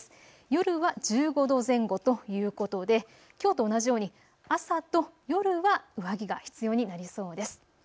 夜は１５度前後ということできょうと同じように朝と夜は上着が必要になりそうです。